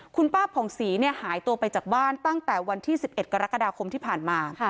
คุณป้าผ่องศรีหายตัวไปจากบ้านตั้งแต่วันที่๑๑กรกฎาคมที่ผ่านมา